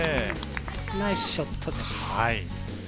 ナイスショットです。